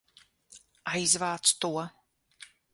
Aizvāc to!